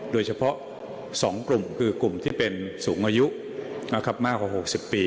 โดยเฉพาะ๒กลุ่มคือกลุ่มที่เป็นสูงอายุมากกว่า๖๐ปี